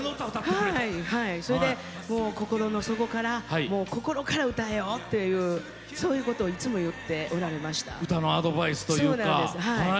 それで心の底から心から歌えよっていうそういうことをいつも言っておられました。